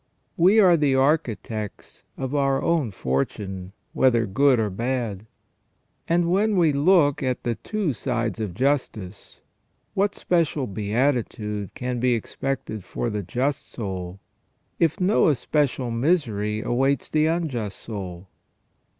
We are the architects of our own fortune, whether good or bad; and when we look at the two sides of justice, what special beatitude can be expected for the just soul, if no especial misery awaits the unjust soul